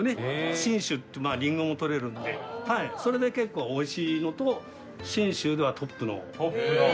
信州ってりんごもとれるのでそれで結構おいしいのと信州ではトップの。